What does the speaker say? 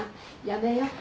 やめよう。